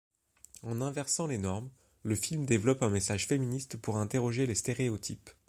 En inversant les normes, le film développe un message féministe pour interroger les stéréotypes.